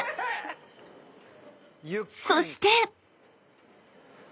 ［そして］